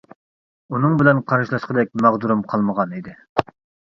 ئۇنىڭ بىلەن قارشىلاشقۇدەك ماغدۇرۇم قالمىغان ئىدى.